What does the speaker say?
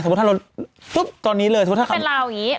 สมมุติถ้าเราตอนนี้เลยสมมุติถ้าไม่เป็นราวอย่างงี้อ่า